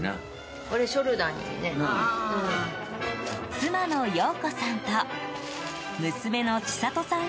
妻の陽子さんと娘の千里さん